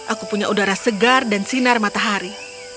aku punya udara segar dan sinar matahari